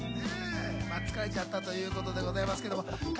疲れちゃったということでございますけれども。